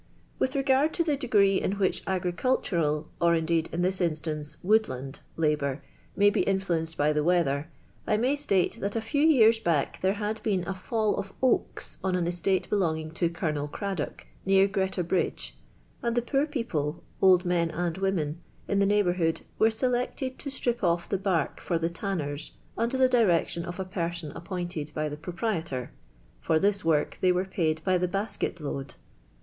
Wiih rpi.nird to the decree in whicli agricultural (i>r inl'. .'d in this instance woodLind) labour may bt; iiiHueiiCL d by the weather, I may state that a few yi ars back there had been a fall of o:iks on an csiat" itnlon^ing to Col. Cradock, near (ireLi bridge, antl the poor people, old men and women, in the n<'iu!ilr>t:rhuud, were selected to strip otf the bark for the tanners, under the direction of a person appointed by the proprietor: fi)r this work they were \).\\.\ by the b.ihket load.